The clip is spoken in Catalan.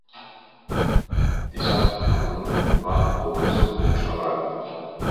Dissabte na Bruna va a Olesa de Montserrat.